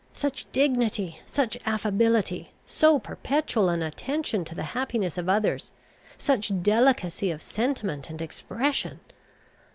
Such dignity, such affability, so perpetual an attention to the happiness of others, such delicacy of sentiment and expression!